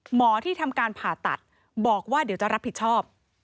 หมอที่ทำการผ่าตัดบอกว่าเดี๋ยวจะรับผิดชอบ